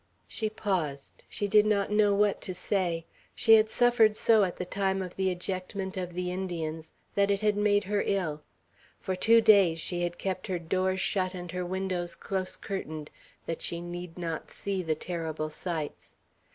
She paused; she did not know what to say. She had suffered so at the time of the ejectment of the Indians, that it had made her ill. For two days she had kept her doors shut and her windows close curtained, that she need not see the terrible sights.